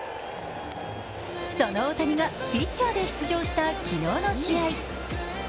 その大谷がピッチャーで出場した昨日の試合。